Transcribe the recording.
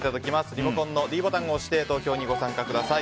リモコンのｄボタンを押して投票にご参加ください。